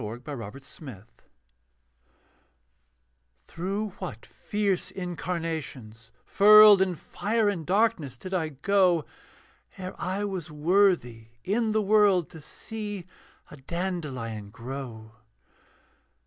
THE BEATIFIC VISION Through what fierce incarnations, furled In fire and darkness, did I go, Ere I was worthy in the world To see a dandelion grow?